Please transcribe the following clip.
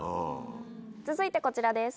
続いてこちらです。